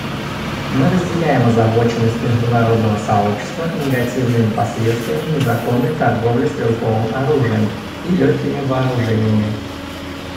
Мы разделяем озабоченность международного сообщества негативными последствиями незаконной торговли стрелковым оружием и легкими вооружениями.